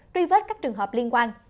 truy vết các trường hợp liên quan